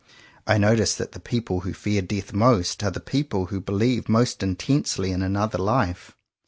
I notice that the people who fear death most, are the people who believe most intensely in another life.